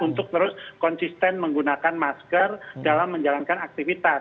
untuk terus konsisten menggunakan masker dalam menjalankan aktivitas